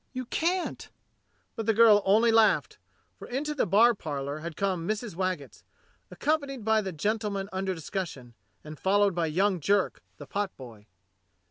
"You can't!" But the girl only laughed, for into the bar parlour had come Mrs. Waggetts, accompanied by the gentle man under discussion, and followed by young Jerk, the potboy.